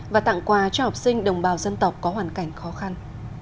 và tặng quà cho học sinh đồng bào dân tộc có hoàn cảnh khó khăn